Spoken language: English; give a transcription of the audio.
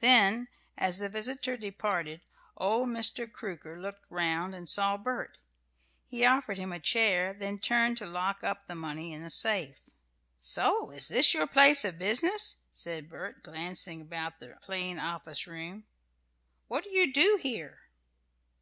Then, as the visitor departed, old Mr. Crooker looked round and saw Bert. He offered him a chair, then turned to lock up the money in a safe. "So this is your place of business?" said Bert, glancing about the plain office room. "What do you do here?"